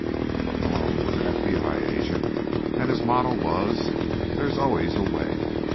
But Malone was an FBI agent, and his motto was: "There's always a way."